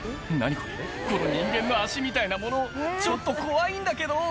これこの人間の足みたいなものちょっと怖いんだけど！